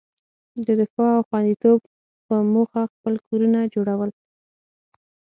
د دفاع او خوندیتوب په موخه خپل کورونه جوړول.